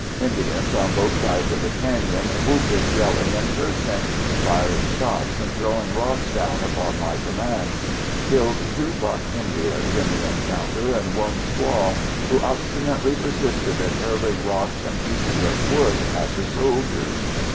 Indians on both sides of the cañon whooping, yelling and cursing, firing shots and throwing rocks down upon my command. Killed two buck Indians in the encounter and one squaw, who obstinately persisted in hurling rocks and pieces of wood at the soldiers.